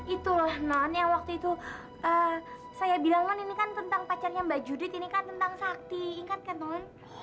itulah non yang waktu itu saya bilang non ini kan tentang pacarnya mbak judit ini kan tentang sakti ingat kan non